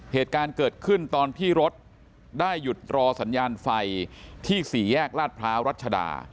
เหตุการณ์เกิดขึ้นตอนที่รถได้หยุดรอสัญญาณไฟที่๔แยกลาดพร้าวรัชดา